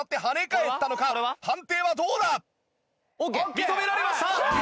認められました！